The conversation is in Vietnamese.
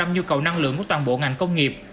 nhu cầu năng lượng của toàn bộ ngành công nghiệp